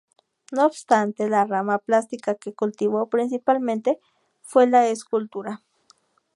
No obstante la rama plástica que cultivó principalmente fue la escultura.